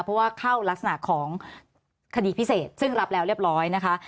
เพราะว่าเข้ารักษณะของคดีพิเศษซึ่งรับแล้วเรียบร้อยนะคะ